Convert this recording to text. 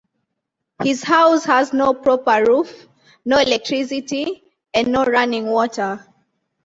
His house has no proper roof, no electricity, and no running water.